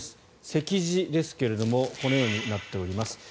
席次ですがこのようになっています。